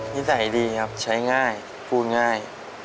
นิสัยดีครับใช้ง่ายพูดง่าย